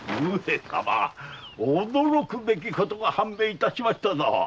驚くべきことが判明しましたぞ！